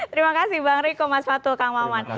terima kasih bang riko mas fatul kang maman